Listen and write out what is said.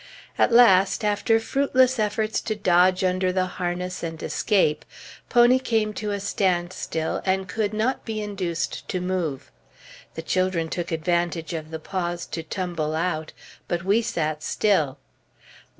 At last, after fruitless efforts to dodge under the harness and escape, pony came to a standstill, and could not be induced to move. The children took advantage of the pause to tumble out, but we sat still.